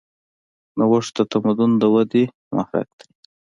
نوښت د تمدن د ودې محرک دی.